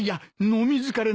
飲み疲れ？